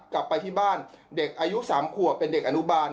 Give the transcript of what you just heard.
กลับไปที่บ้านเด็กอายุ๓ขวบเป็นเด็กอนุบาล